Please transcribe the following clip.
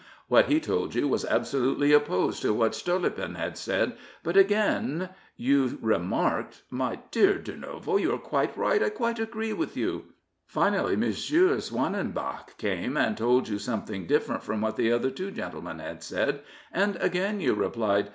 What he told you was absolutely opposed to what Stolypin had said, but again you remarked, " My dear Durnovo, you are quite right. 1 quite agree with you." Finally, M. Schwanenbach came and told you something different from what the other two gentlemen had said, and again you replied, " M.